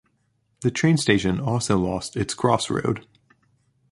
The train station also lost its crossroad.